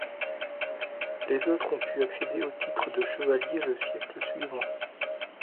Les autres ont pu accéder au titre de chevalier le siècle suivant.